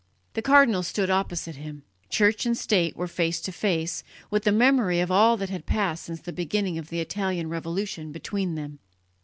The cardinal stood opposite him. Church and state were face to face, with the memory of all that had passed since the beginning of the Italian Revolution between them.